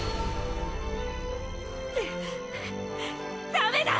ダメだ！